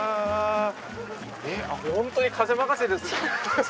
本当に風任せですね。